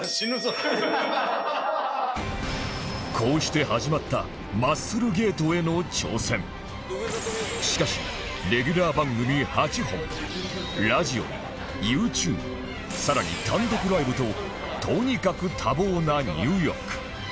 こうして始まったしかしレギュラー番組８本ラジオに ＹｏｕＴｕｂｅ 更に単独ライブととにかく多忙なニューヨーク